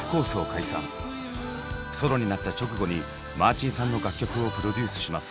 ソロになった直後にマーチンさんの楽曲をプロデュースします。